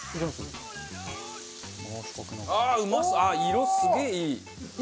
色すげえいい！